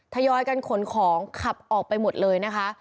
ทยอยกันขนของขับออกไปหมดเลยนะคะ